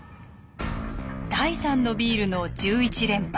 第三のビールの１１連敗。